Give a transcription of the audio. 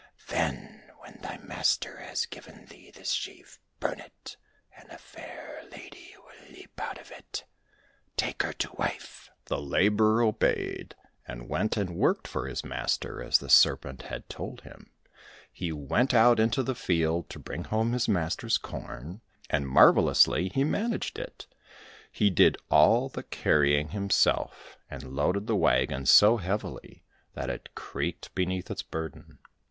Then, when thy master has given thee this sheaf, burn it, and a fair lady will leap out of it ; take her to wife !" The labourer obeyed, and went and worked for his 105 COSSACK FAIRY TALES master as the Serpent had told him. He went out into the field to bring home his master's corn, and marvellously he managed it. He did all the carrying himself, and loaded the wagon so heavily that it creaked beneath its burden.